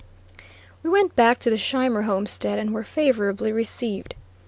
We went back to the Scheimer homestead and were favorably received.